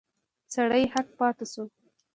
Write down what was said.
سړی هک پاته شو.